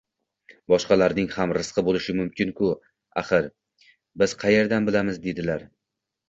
– Boshqalarning ham rizqi bo’lishi mumkin-ku axir, biz qayerdan bilamiz,– dedilar.